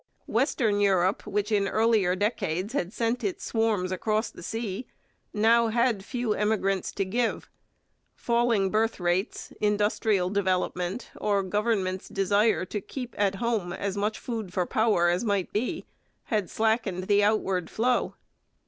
Western Europe, which in earlier decades had sent its swarms across the sea, now had few emigrants to give. Falling birth rates, industrial development, or governments' desire to keep at home as much food for powder as might be, had slackened the outward flow.